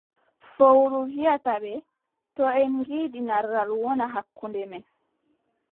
Fowru wiʼata ɓe: to en ngiɗi narral wona hakkunde men,